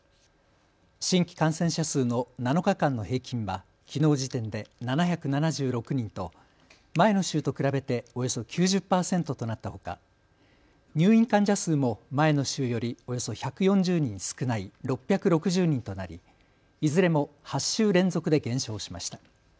新規感染者数の７日間の平均はきのう時点で７７６人と前の週と比べておよそ９０％となったほか、入院患者数も前の週よりおよそ１４０人少ない６６０人となりいずれも８週連続で減少しました。